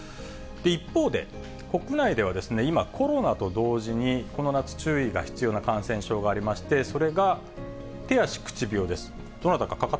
一方で、国内では、今、コロナと同時にこの夏、注意が必要な感染症がありまして、それが手足口病です。